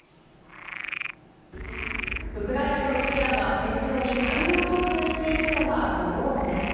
ウクライナとロシアが、戦場に大量投入しているのがドローンです。